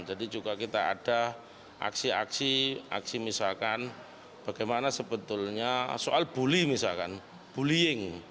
jadi juga kita ada aksi aksi aksi misalkan bagaimana sebetulnya soal bully misalkan bullying